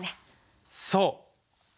そう！